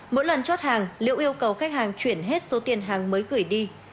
mỗi lần chốt hàng liễu yêu cầu khách hàng chuyển hết số tiền hàng mới gửi đi